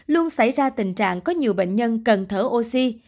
luôn xảy ra tình trạng có nhiều bệnh nhân cần thở oxy